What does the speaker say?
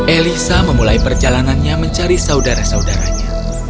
elisa memulai perjalanannya mencari saudara saudaranya